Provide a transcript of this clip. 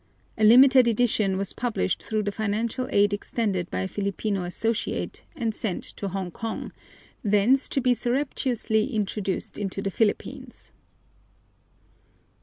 A limited edition was published through the financial aid extended by a Filipino associate, and sent to Hongkong, thence to be surreptitiously introduced into the Philippines.